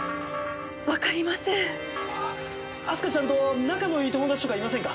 明日香ちゃんと仲のいい友達とかいませんか？